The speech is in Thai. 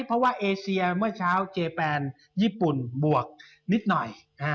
เพราะว่าเอเซียเมื่อเช้าเจแปนญี่ปุ่นบวกนิดหน่อย